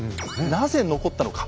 なぜ残ったのか。